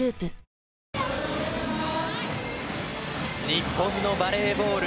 日本のバレーボール。